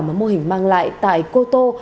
mà mô hình mang lại tại cô tô